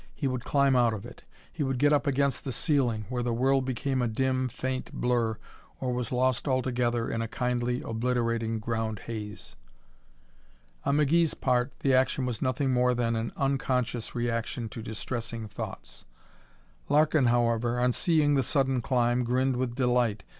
He would climb out of it! He would get up against the ceiling, where the world became a dim, faint blur or was lost altogether in a kindly obliterating ground haze. On McGee's part the action was nothing more than an unconscious reaction to distressing thoughts. Larkin, however, on seeing the sudden climb, grinned with delight.